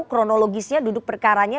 kronologisnya duduk perkaranya